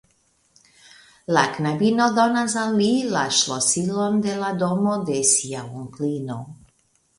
La knabino donas al li la ŝlosilon de la domo de sia onklino.